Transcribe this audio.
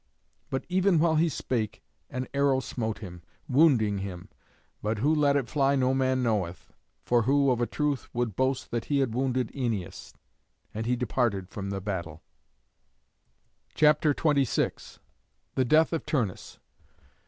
But even while he spake an arrow smote him, wounding him. But who let it fly no man knoweth; for who, of a truth, would boast that he had wounded Æneas? And he departed from the battle. CHAPTER XXVI. THE DEATH OF TURNUS.